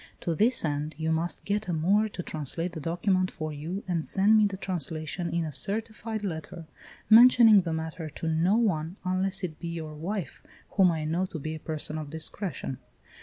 To this end you must get a Moor to translate the document for you and send me the translation in a certified letter, mentioning the matter to no one, unless it be your wife, whom I know to be a person of discretion.